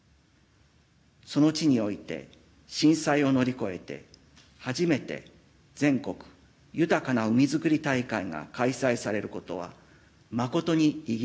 その地において震災を乗り越えて初めて全国豊かな海づくり大会が開催されることは誠に意義